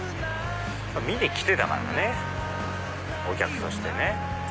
見に来てたからねお客としてね。